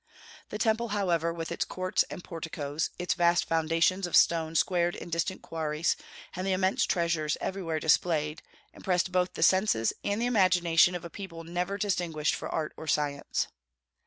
The Temple, however, with its courts and porticos, its vast foundations of stones squared in distant quarries, and the immense treasures everywhere displayed, impressed both the senses and the imagination of a people never distinguished for art or science.